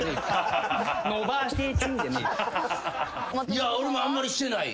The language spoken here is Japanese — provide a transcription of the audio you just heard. いや俺もあんまりしてない。